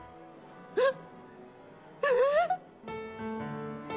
えっ。